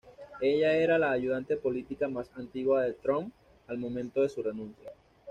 Ella era la ayudante política más antigua de Trump al momento de su renuncia.